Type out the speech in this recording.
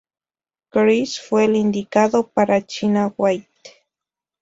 Chris fue el indicado para China White.